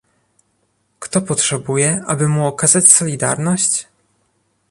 Kto potrzebuje, aby mu okazać solidarność?